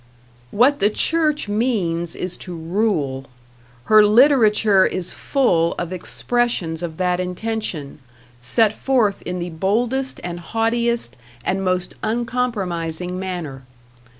What the Church means is to rule. Her literature is full of expressions of that intention, set forth in the boldest and haughtiest and most uncompromising manner.